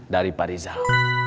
dari pak rizal